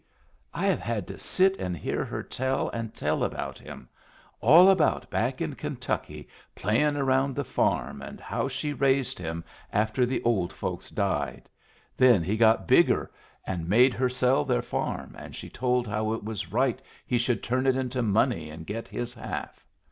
I have had to sit and hear her tell and tell about him; all about back in Kentucky playin' around the farm, and how she raised him after the old folks died. Then he got bigger and made her sell their farm, and she told how it was right he should turn it into money and get his half.